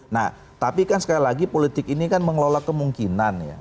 nah tapi kan sekali lagi politik ini kan mengelola kemungkinan ya